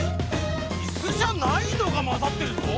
イスじゃないのがまざってるぞ！